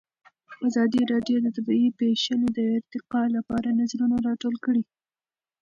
ازادي راډیو د طبیعي پېښې د ارتقا لپاره نظرونه راټول کړي.